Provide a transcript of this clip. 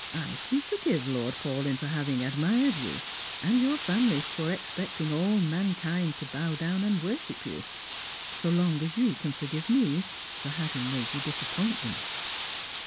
" I can for give Lord Paulyn for having admired you, and your family foi expecting all mankind to bow down and worship yon, so long as you can forgive me for having made you disappoint them."